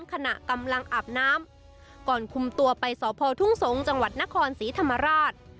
ขณะกำลังอาบน้ำก่อนคุมตัวไปสพทุ่งสงศ์จังหวัดนครศรีธรรมราช